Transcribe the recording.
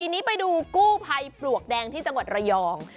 ทีนี้ไปดูกู้ภัยปลวกแดงที่จังหวัดระยอง